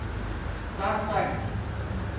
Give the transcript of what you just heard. ڎڎاٹ